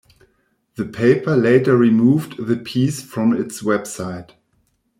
The paper later removed the piece from its website.